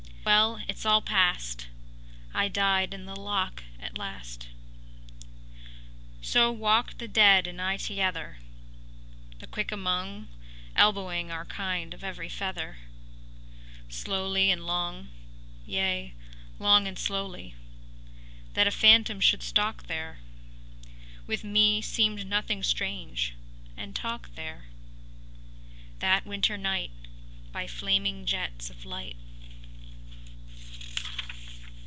... Well: it’s all past. I died in the Lock at last.” So walked the dead and I together The quick among, Elbowing our kind of every feather Slowly and long; Yea, long and slowly. That a phantom should stalk there With me seemed nothing strange, and talk there That winter night By flaming jets of light.